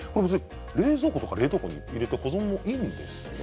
冷蔵庫か冷凍庫に入れて保存もいいですね。